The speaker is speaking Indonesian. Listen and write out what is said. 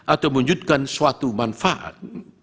atau mewujudkan suatu manfaat